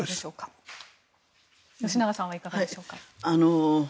吉永さんはいかがでしょうか。